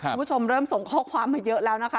คุณผู้ชมเริ่มส่งข้อความมาเยอะแล้วนะคะ